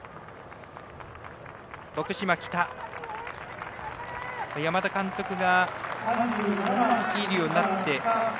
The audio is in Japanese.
徳島北、山田監督が率いるようになって。